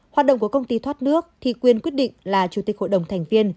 hoạt động của công ty thoát nước thì quyền quyết định là chủ tịch hội đồng thành viên